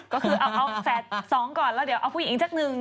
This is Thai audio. ก็คือเอาแฝดสองก่อนแล้วเดี๋ยวเอาผู้หญิงสักหนึ่ง